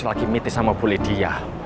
lagi meeting sama bu lydia